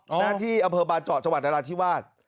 หน้าที่อำเภอบาเจาะจังหวัดนราธิวาส